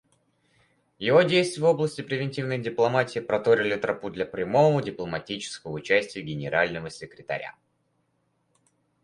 Его действия в области превентивной дипломатии проторили тропу для прямого дипломатического участия Генерального секретаря.